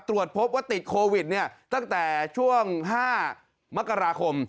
ตรวจพบว่าติดโควิดตั้งแต่ช่วง๕มกราคม